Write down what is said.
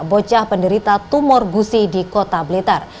bocah penderita tumor gusi di kota blitar